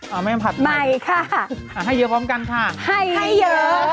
เอาใหม่กันผัดไข่ให้เยอะพร้อมกันค่ะให้เยอะค่ะ